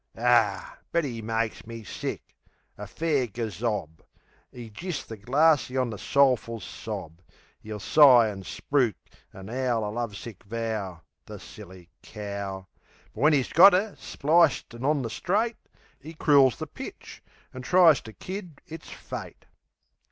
Ar! but'e makes me sick! A fair gazob! 'E's jist the glarsey on the soulful sob, 'E'll sigh and spruik, an' 'owl a love sick vow (The silly cow!) But when 'e's got 'er, spliced an' on the straight 'E crools the pitch, an' tries to kid it's Fate.